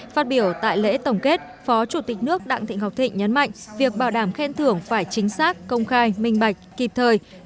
phát biểu tại lễ tổng kết phó chủ tịch nước đặng thị ngọc thịnh nhấn mạnh việc bảo đảm khen thưởng phải chính xác công khai minh bạch kịp thời